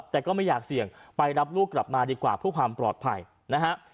แต่ก็ไม่อยากเสี่ยงไปรับลูกกลับมาดีกว่าเพื่อความปลอดภัยนะฮะ